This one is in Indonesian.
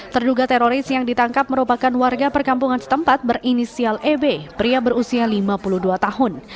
terduga teroris yang ditangkap merupakan warga perkampungan setempat berinisial eb pria berusia lima puluh dua tahun